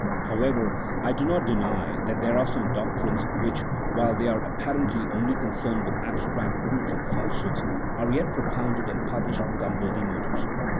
However, I do not deny that there are some doctrines which, while they are apparently only concerned with ab stract truths and falsehoods, are yet propounded and pub lished with unworthy motives.